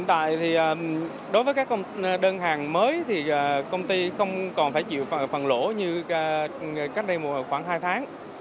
hiện tại thì đối với các đơn hàng mới thì công ty không còn phải chịu phần lỗ như cách đây khoảng hai tháng